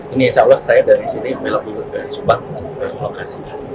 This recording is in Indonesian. ini insya allah saya dari sini belok ke subang ke lokasi